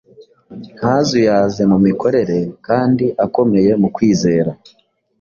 ntazuyaze mu mikorere kandi akomeye mu kwizera.